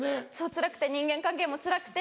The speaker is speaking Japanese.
つらくて人間関係もつらくて。